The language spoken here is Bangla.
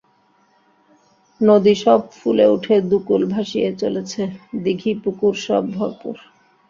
নদী সব ফুলে উঠে দু-কূল ভাসিয়ে চলেছে, দীঘি-পুকুর সব ভরপুর।